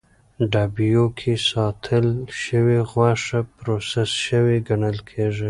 ډبیو کې ساتل شوې غوښه پروسس شوې ګڼل کېږي.